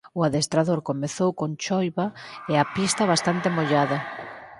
O adestramento comezou con choiva e a pista bastante mollada.